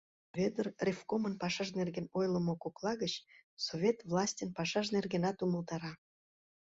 Вӧдыр ревкомын пашаж нерген ойлымо кокла гыч Совет властьын пашаж нергенат умылтара.